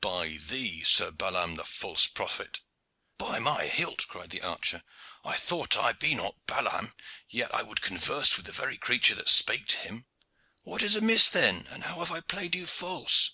"By thee, Sir Balaam the false prophet." "By my hilt!" cried the archer, "though I be not Balaam, yet I hold converse with the very creature that spake to him. What is amiss, then, and how have I played you false?"